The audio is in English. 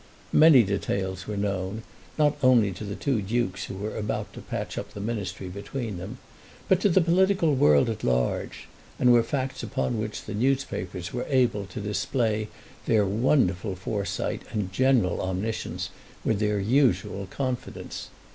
Many details were known, not only to the two dukes who were about to patch up the ministry between them, but to the political world at large, and were facts upon which the newspapers were able to display their wonderful foresight and general omniscience with their usual confidence.